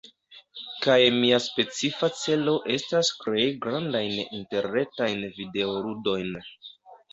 kaj mia specifa celo estas krei grandajn interretajn videoludojn.